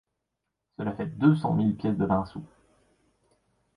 Cela fait deux cent mille pièces de vingt sous.